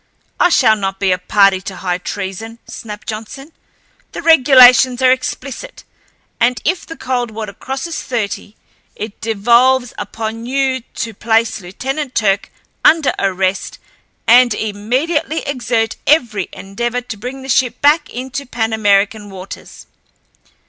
"I shall not be a party to high treason," snapped Johnson. "The regulations are explicit, and if the Coldwater crosses thirty it devolves upon you to place Lieutenant Turck under arrest and immediately exert every endeavor to bring the ship back into Pan American waters."